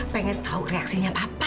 pengen tau reaksinya papa